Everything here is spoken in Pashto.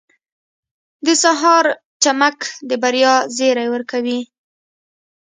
• د سهار چمک د بریا زیری ورکوي.